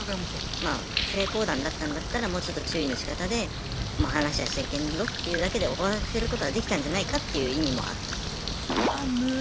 まあ不正交談だったんだったらもうちょっと注意のしかたでもう話はしちゃいけんぞって言うだけで終わらせることはできたんじゃないかっていう意味もあったっていうね。